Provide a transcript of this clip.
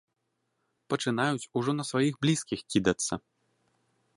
Пачынаюць ужо на сваіх блізкіх кідацца.